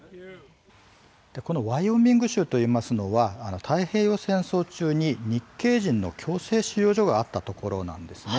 このワイオミング州といいますのは、太平洋戦争中に日系人の強制収容所があったところなんです。